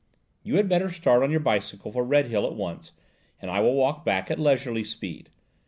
You had better start on your bicycle for Redhill at once, and I will walk back at leisurely speed.